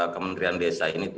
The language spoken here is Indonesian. kementerian desa ini